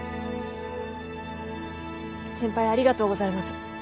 先輩ありがとうございます。